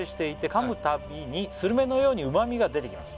「かむたびにスルメのようにうまみが出てきます」